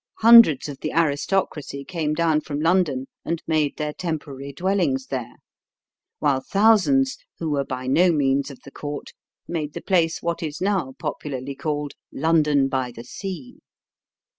Hundreds of the aristocracy came down from London and made their temporary dwellings there; while thousands who were by no means of the court made the place what is now popularly called "London by the Sea."